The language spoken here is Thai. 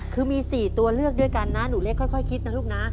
คือมี๔ตัวเลือกด้วยกันนะหนูเล็กค่อยคิดนะลูกนะ